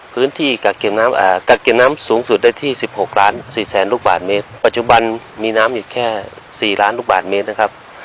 กักเก็บน้ำกักเก็บน้ำสูงสุดได้ที่๑๖ล้าน๔แสนลูกบาทเมตรปัจจุบันมีน้ำอยู่แค่๔ล้านลูกบาทเมตรนะครับ